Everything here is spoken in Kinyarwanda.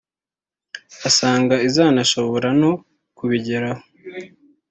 usanga izanashobora no kubigeraho